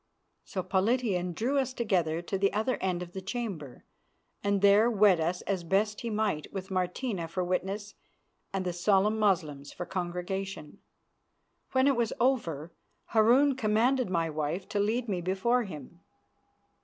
So Politian drew us together to the other end of the chamber, and there wed us as best he might, with Martina for witness and the solemn Moslems for congregation. When it was over, Harun commanded my wife to lead me before him.